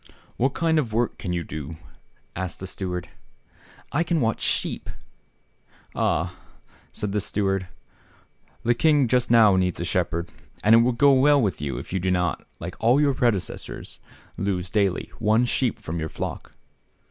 " What kind of work can you do ?" asked the steward. " I can watch sheep," answered the boy. "Ah !" said the steward, "the king just now needs a shepherd, and it will go well with you 64 THE SHE PIIE ED BOY. if you do not, like all your predecessors, lose daily one sheep from your flock."